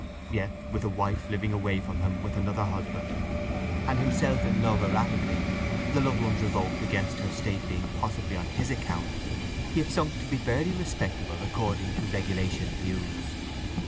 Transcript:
Yet with a wife living away from him with another husband, and himself in love erratically, the loved one's revolt against her state being possibly on his account, he had sunk to be barely respectable according to regulation views.